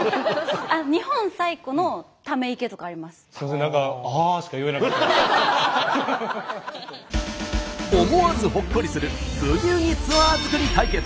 正直思わずほっこりする「ブギウギ」ツアー作り対決。